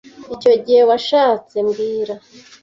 Icyo gihe washatse mbwira